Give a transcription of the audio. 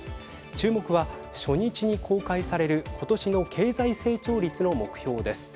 注目は初日に公開される今年の経済成長率の目標です。